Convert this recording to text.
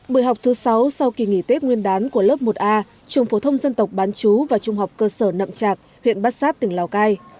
bữa học thứ sáu sau kỳ nghỉ tết nguyên đán của lớp một a trường phổ thông dân tộc bán chú và trung học cơ sở nậm trạc huyện bát sát tỉnh lào cai